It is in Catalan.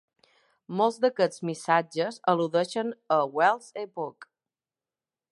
Molts d'aquests missatges al·ludeixen a Wells Epoch.